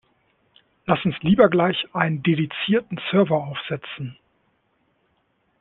Lass uns lieber gleich einen dedizierten Server aufsetzen.